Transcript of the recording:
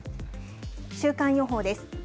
週間予報です。